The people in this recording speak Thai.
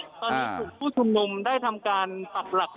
เหลือเพียงกลุ่มเจ้าหน้าที่ตอนนี้ได้ทำการแตกกลุ่มออกมาแล้วนะครับ